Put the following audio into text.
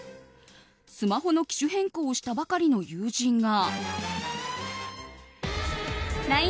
スマホの機種変更をしたばかりの友人が。